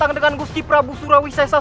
adikku terlalu saja